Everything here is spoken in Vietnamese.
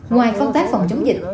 ngoài phong tác phòng chống dịch